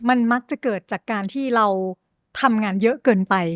มันมักจะเกิดจากการที่เราทำงานเยอะเกินไป